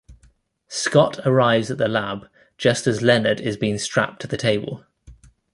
Scott arrives at the lab just as Leonard is being strapped to the table.